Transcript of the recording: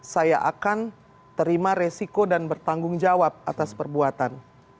saya akan terima resiko dan bertanggung jawab atas perbuatan